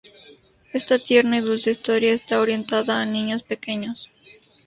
Esta tierna y dulce historia está orientada a niños pequeños.